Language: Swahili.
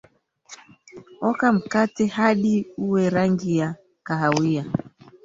oka mkate hadi uwe rangi ya kahawia